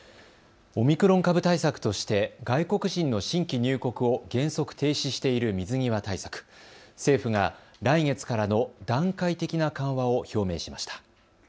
オミクロン株対策として外国人の新規入国を原則停止している水際対策、政府が来月からの段階的な緩和を表明しました。